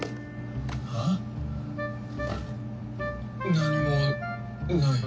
何もないな。